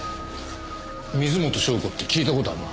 水元湘子って聞いた事あるな。